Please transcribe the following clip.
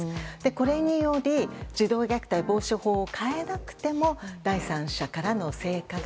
これにより児童虐待防止法を変えなくても第三者からの性加害